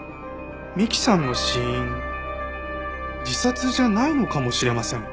美希さんの死因自殺じゃないのかもしれません。